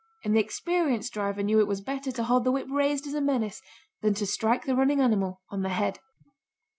And the experienced driver knew it was better to hold the whip raised as a menace than to strike the running animal on the head.